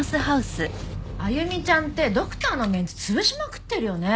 歩ちゃんってドクターのメンツ潰しまくってるよね。